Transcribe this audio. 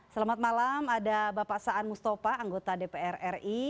selamat malam ada bapak saan mustafa anggota dpr ri